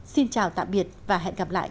xin chào tạm biệt và hẹn gặp lại